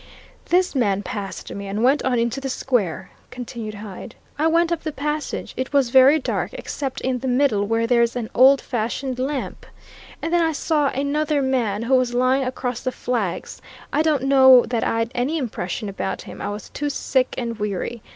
"This man passed me and went on into the square," continued Hyde. "I went up the passage. It was very dark, except in the middle, where there's an old fashioned lamp. And then I saw another man, who was lying across the flags. I don't know that I'd any impression about him I was too sick and weary.